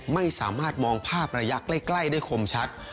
ไม่สามารถมองภาพระยะใกล้ได้คมชัด